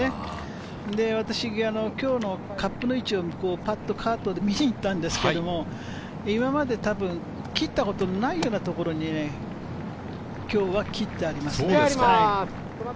私、今日のカップの位置をパッとカートで見に行ったんですけれど、今まで多分切ったことのないようなところに今日は切ってありますね。